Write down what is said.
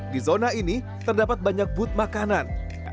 di zona ini terdapat banyak booth makanan